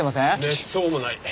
めっそうもない。